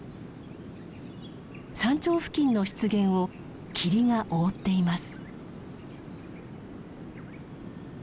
山頂付近の湿原を霧が覆っています。